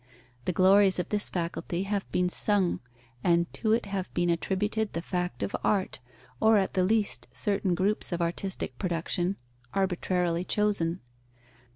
The glories of this faculty have been sung, and to it have been attributed the fact of art, or at the least certain groups of artistic production, arbitrarily chosen.